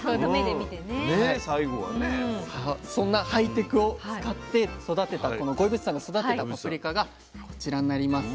そんなハイテクを使って五位渕さんが育てたパプリカがこちらになります。